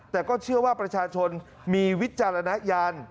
แต่ก็เชื่อว่าประชาชนมีวิจารณญาณ